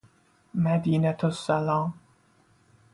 مدینة السلام